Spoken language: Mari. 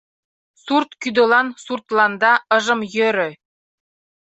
Сурт кӱдылан суртланда ыжым йӧрӧ